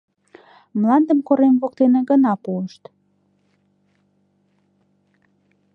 Мландым корем воктене гына пуышт.